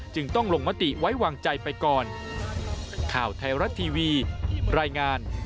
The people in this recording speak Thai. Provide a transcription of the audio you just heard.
จึงต้องลงมติไว้วางใจไปก่อน